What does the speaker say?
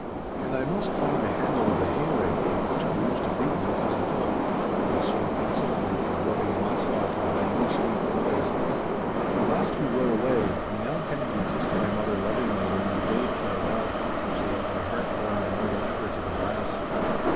And I must find the handle of the hayrake with which I used to beat my cousin Philip. It will serve excellently for drubbing Launcelot, my new sweet coz!' At last we rode away, and Nell Kennedy kissed my mother lovingly when we bade farewell, so that my heart warmed more than ever to the lass.